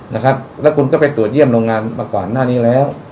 นะครับแล้วคุณก็ไปตรวจเยี่ยมโรงงานมาก่อนหน้านี้แล้ว